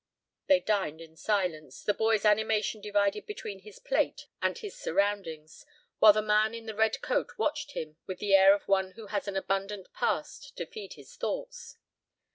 They dined in silence, the boy's animation divided between his plate and his surroundings, while the man in the red coat watched him with the air of one who has an abundant past to feed his thoughts.